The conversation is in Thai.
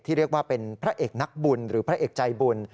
เรียกว่าเป็นพระเอกนักบุญหรือพระเอกใจบุญ